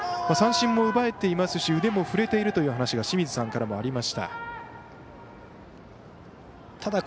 三振も奪えていますし腕も振れているという話が清水さんからもありました。